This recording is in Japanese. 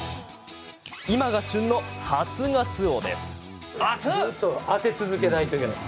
今が旬の初がつおです。